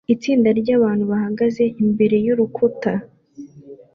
Itsinda ryabantu bahagaze imbere yurutare